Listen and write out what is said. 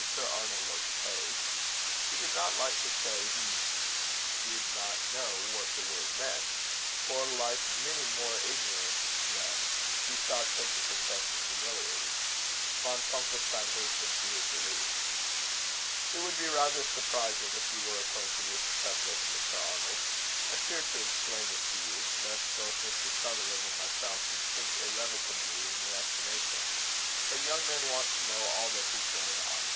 Mr. Arnold looked posed. He did not like to say he did not know what the word meant; for, like many more ignorant men, he thought such a confession humiliating. Von Funkelstein hastened to his relief. "It would be rather surprising if you were acquainted with the subject, Mr. Arnold. I fear to explain it to you, lest both Mr. Sutherland and myself should sink irrecoverably in your estimation. But young men want to know all that is going on."